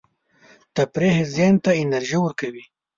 تفریح ذهن ته انرژي ورکوي.